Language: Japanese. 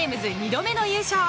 ２度目の優勝。